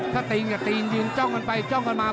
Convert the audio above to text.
ถ้าติ้งจะติ้งหนึ่งจ้องกันไปจ้องกันมา